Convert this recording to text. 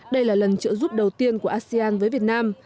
đây là lần trợ giúp đầu tiên của asean với việt nam